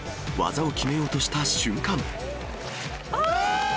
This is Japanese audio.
技を決めようとした瞬間。